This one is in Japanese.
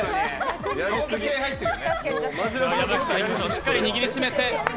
しっかり握りしめて。